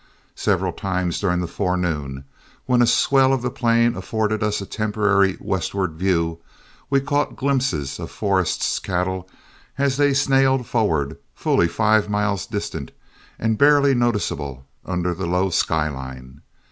Several times during the forenoon, when a swell of the plain afforded us a temporary westward view, we caught glimpses of Forrest's cattle as they snailed forward, fully five miles distant and barely noticeable under the low sky line.